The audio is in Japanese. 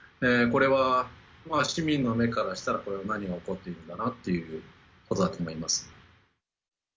これは市民の目からしたら、これは何か起こっているんだなということだと思います。